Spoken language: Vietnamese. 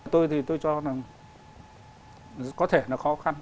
tôi thì tôi cho rằng có thể là khó khăn